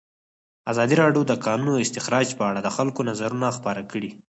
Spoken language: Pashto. ازادي راډیو د د کانونو استخراج په اړه د خلکو نظرونه خپاره کړي.